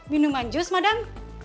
minuman jus madam